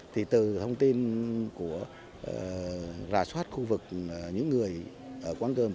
thì từ thông tin của rà soát khu vực những người ở quán cơm